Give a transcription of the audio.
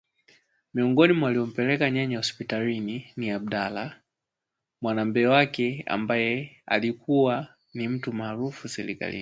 Miongoni mwa waliompeleka nyanya hosptalini ni Abdalla, mwanambee wake ambaye sasa alikuwa mtu marufu serikalini